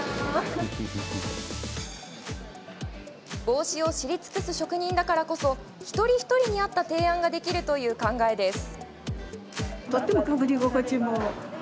帽子を知り尽くす職人だからこそ一人一人に合った提案ができるという考えです。